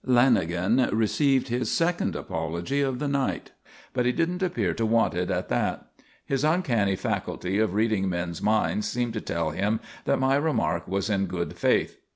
Lanagan received his second apology of the night; but he didn't appear to want it at that. His uncanny faculty of reading men's minds seemed to tell him that my remark was in good faith.